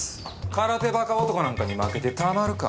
空手バカ男なんかに負けてたまるか。